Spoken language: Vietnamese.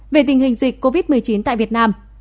về tình hình dịch covid một mươi chín tại việt nam